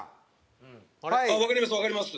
「わかりますわかります」